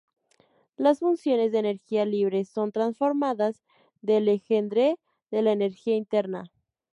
Las funciones de energía libre son transformadas de Legendre de la energía interna.